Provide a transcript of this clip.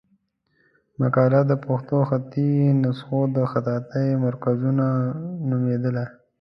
مقاله د پښتو خطي نسخو د خطاطۍ مرکزونه نومېدله.